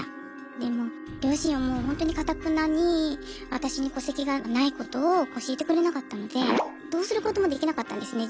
でも両親はもうほんとにかたくなに私に戸籍がないことを教えてくれなかったのでどうすることもできなかったんですね。